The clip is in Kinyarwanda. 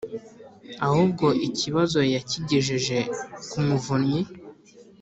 ahubwo ikibazo yakigejeje ku Muvunyi